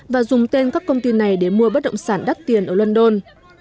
và dùng tên các công ty này để mua bất động sản đắt tiền ở london